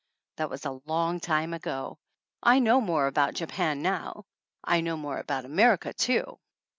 That was a long time ago! I know more about Japan now ! I know more about America too!